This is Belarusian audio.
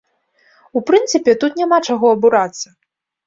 У прынцыпе, тут няма чаго абурацца.